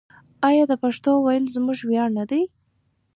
آیا د پښتو ویل زموږ ویاړ نه دی؟